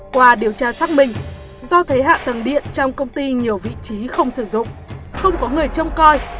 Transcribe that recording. qua điều tra xác minh do thấy hạ tầng điện trong công ty nhiều vị trí không sử dụng không có người trông coi